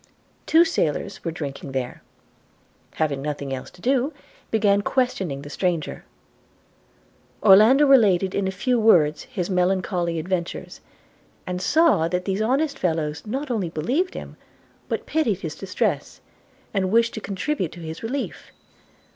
Two sailors were drinking there, having nothing else to do, began questioning the stranger. Orlando related in a few words his melancholy adventures, and saw that these honest fellows not only believed him, but pitied his distress, and wished to contribute to his relief.